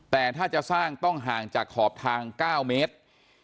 แต่ถ้าจะสร้างต้องห่างจากขอบทาง๙เมตร